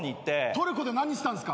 トルコで何したんすか？